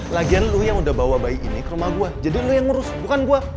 lagian lu yang udah bawa bayi ini ke rumah gue jadi lu yang ngurus bukan gue